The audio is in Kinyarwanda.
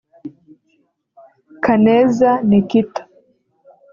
Kaneza Nickita